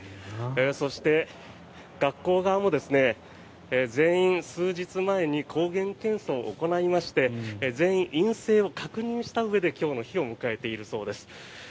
そして学校側も全員、数日前に抗原検査を行いまして全員、陰性を確認したうえで今日の日を迎えているそうです。